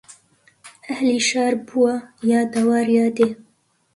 ئەهلی شار بووە یا دەوار یا دێ